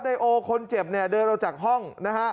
นายโอคนเจ็บเนี่ยเดินออกจากห้องนะฮะ